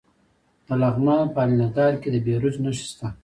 د لغمان په الینګار کې د بیروج نښې شته.